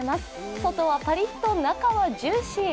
外はパリッと中はジューシー。